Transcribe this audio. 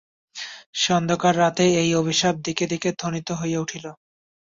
সেই অন্ধকার রাত্রে এই অভিশাপ দিকে দিকে ধ্বনিত হইয়া উঠিল।